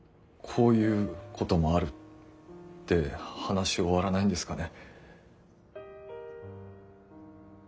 「こういうこともある」って話終わらないんですかね。